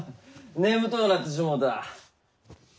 眠とうなってしもうた。